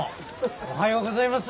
おはようございます。